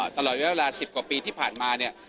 ตลอดเวลา๑๐กว่าปีที่ผ่านมาเนี่ย